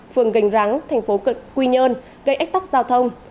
phường gành rắng thành phố quy nhơn gây ách tắc giao thông